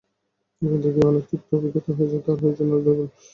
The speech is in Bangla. খেতে গিয়ে অনেক তিক্ত অভিজ্ঞতা হয়েছে তাঁর, হয়েছেন নানা ধরনের বিড়ম্বনার শিকার।